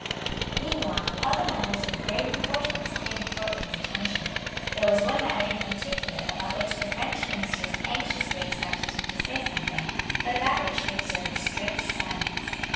Meanwhile other matters of grave importance claimed Portland's attention. There was one matter in particular about which the French ministers anxiously expected him to say something, but about which he observed strict silence.